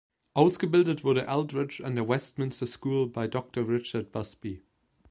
Ausgebildet wurde Aldrich an der Westminster School bei Dr. Richard Busby.